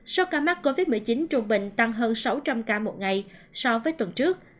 số ca mắc covid một mươi chín trung bình tăng hơn sáu trăm linh ca một ngày so với tuần trước